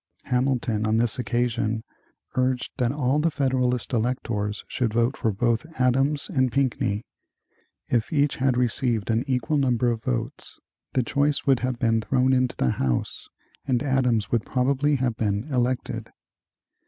Hamilton on this occasion urged that all the Federalist electors should vote for both Adams and Pinckney. If each had received an equal number of votes, the choice would have been thrown into the House and Adams would probably have been elected.